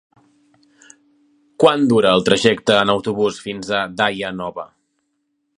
Quant dura el trajecte en autobús fins a Daia Nova?